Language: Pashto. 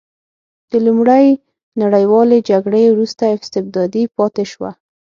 د لومړۍ نړیوالې جګړې وروسته استبدادي پاتې شوه.